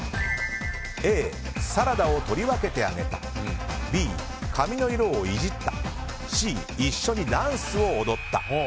Ａ、サラダを取り分けてあげたＢ、髪の色をイジったＣ、一緒にダンスを踊った。